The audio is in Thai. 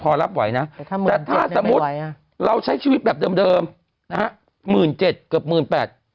พอรับไหวนะแต่ถ้าสมมุติเราใช้ชีวิตแบบเดิมนะฮะ๑๗๐๐๐เกือบ